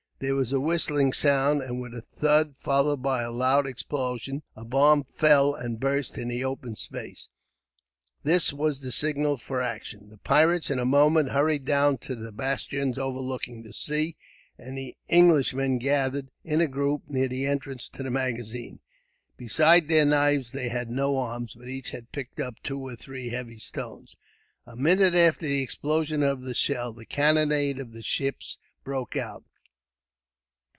There was a whistling sound; and with a thud, followed by a loud explosion, a bomb fell and burst in the open space. This was the signal for action. The pirates, in a moment, hurried down to the bastions overlooking the sea; and the Englishmen gathered, in a group, near the entrance to the magazine. Besides their knives they had no arms, but each had picked up two or three heavy stones. A minute after the explosion of the shell, the cannonade of the ships broke out.